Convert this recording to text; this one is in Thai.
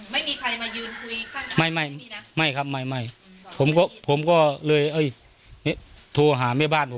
ไม่มีใครมายืนคุยข้างไม่ครับไม่เดี๋ยวผมก็เลยโทรหาเมธ่บ้าน